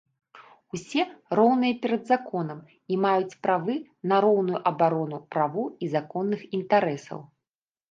Усе роўныя перад законам і маюць правы на роўную абарону правоў і законных інтарэсаў.